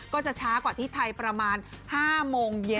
ก็จะช้ากว่าที่ไทยประมาณ๕โมงเย็น